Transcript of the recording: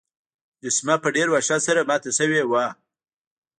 مجسمه په ډیر وحشت سره ماته شوې وه.